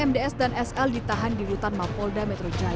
mds dan sl ditahan di rutan mapolda metro jaya